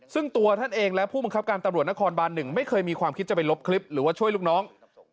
ซึ่งตัวท่านเองและผู้บังคับการตำรวจนครบาน๑ไม่เคยมีความคิดจะไปลบคลิปหรือว่าช่วยลูกน้อง